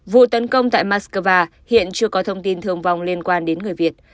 vụ tấn công tại moscow hiện chưa có thông tin thương vong liên quan đến người việt